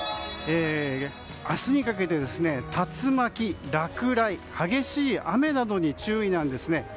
明日にかけて、竜巻、落雷激しい雨などに注意なんですね。